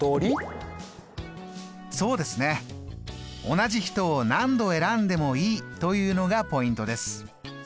同じ人を何度選んでもいいというのがポイントです。